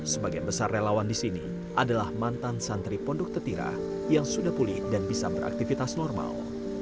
sebagian besar relawan di sini adalah mantan santri pondok tetira yang sudah pulih dan bisa beraktivitas normal